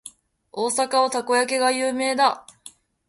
大阪はたこ焼きが有名だ。